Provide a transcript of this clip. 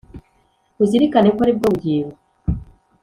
uzirikane ko ari bwo bugingo